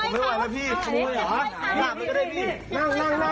เขาอยากพูดมั้ย